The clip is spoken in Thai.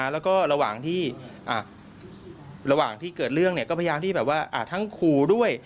แล้วก็ระหว่างที่เกิดเรื่องเนี่ยก็พยายามที่แบบว่าทั้งครูด้วย